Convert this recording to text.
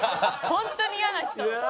本当にイヤな人。